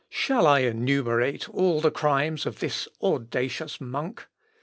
] "Shall I enumerate all the crimes of this audacious monk?